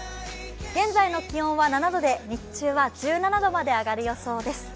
現在の気温は７度で日中は１７度まで上がる予想です。